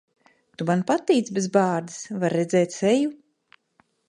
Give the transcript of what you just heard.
Tu man patīc bez bārdas. Var redzēt seju.